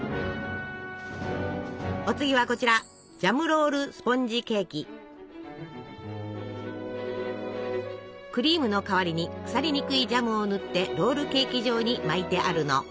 お次はこちらクリームの代わりに腐りにくいジャムを塗ってロールケーキ状に巻いてあるの。